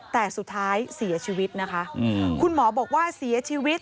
แต่สุดท้ายเสียชีวิตนะคะคุณหมอบอกว่าเสียชีวิต